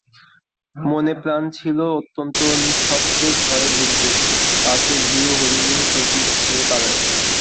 মনে প্ল্যান ছিল অত্যন্ত নিঃশব্দপদে ঘরে ঢুকবে– পাছে ভীরু হরিণী চকিত হয়ে পালায়।